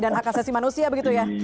dan akasasi manusia begitu ya